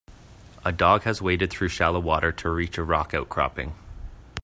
A dog has waded through shallow water to reach a rock outcropping.